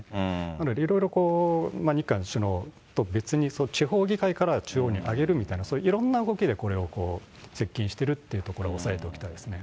なのでいろいろ日韓首脳と別に地方議会から中央にあげるみたいな、いろんな動きでこれを接近してるっていうことを押さえておきたい